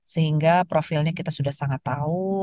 sehingga profilnya kita sudah sangat tahu